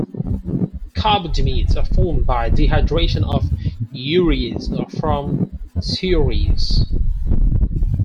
Carbodiimides are formed by dehydration of ureas or from thioureas.